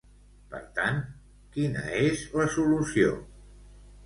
Per tant, quina és la solució?